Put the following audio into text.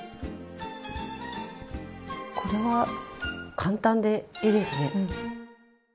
これは簡単でいいですね。